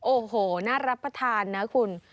โอ้โหน่ารับประทานนะคุณ